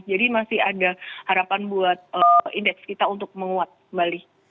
jadi masih ada harapan buat index kita untuk menguat balik